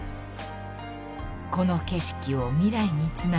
［この景色を未来につなぐ］